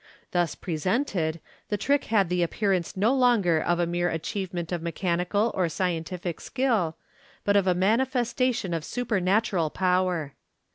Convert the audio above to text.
Thus pre sented, the trick had the appearance no longer of a mere achievement of mechanical or scientific skill, but of a manifestation of supernatural power.